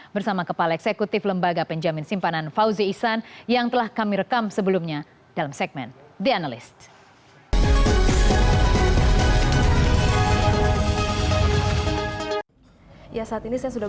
bersama kepala eksekutif lembaga penjamin simpanan fauzi ihsan yang telah kami rekam sebelumnya dalam segmen the analyst